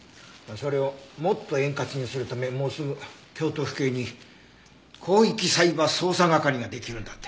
それをもっと円滑にするためもうすぐ京都府警に広域サイバー捜査係ができるんだって。